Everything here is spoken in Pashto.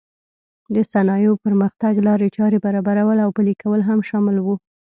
د صنایعو پرمختګ لارې چارې برابرول او پلې کول هم شامل و.